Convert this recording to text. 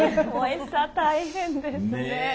エサ大変ですね。